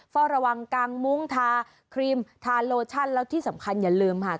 เฝ้าระวังกางมุ้งทาครีมทาโลชั่นแล้วที่สำคัญอย่าลืมค่ะ